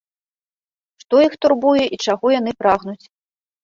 Што іх турбуе і чаго яны прагнуць?